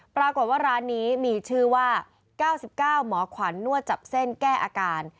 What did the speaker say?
ปรากฏว่าร้านนี้มีชื่อว่า๙๙หมอขวัญนวดจับเส้นแก้อาการ